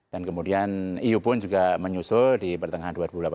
dan kemudian eu pun juga menyusul di pertengahan dua ribu delapan belas